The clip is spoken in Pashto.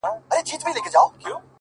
دا ځلي غواړم لېونی سم د هغې مینه کي!